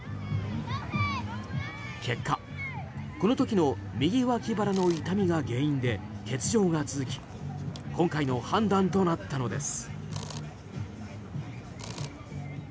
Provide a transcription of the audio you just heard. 結果、この時の右脇腹の痛みが原因で欠場が続き今回の判断となったのです。